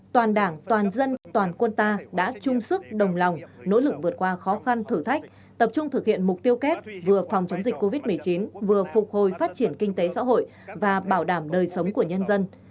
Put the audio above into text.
toàn đảng toàn dân toàn quân ta đã chung sức đồng lòng nỗ lực vượt qua khó khăn thử thách tập trung thực hiện mục tiêu kép vừa phòng chống dịch covid một mươi chín vừa phục hồi phát triển kinh tế xã hội và bảo đảm đời sống của nhân dân